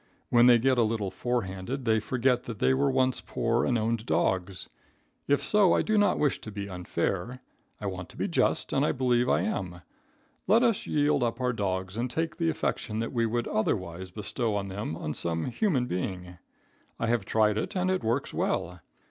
When they get a little forehanded they forget that they were once poor, and owned dogs. If so, I do not wish to be unfair. I want to be just, and I believe I am. Let us yield up our dogs and take the affection that we would otherwise bestow on them on some human being. I have tried it and it works well.